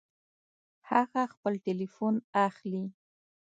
هغه خپل ټيليفون اخلي